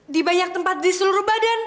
di banyak tempat di seluruh badan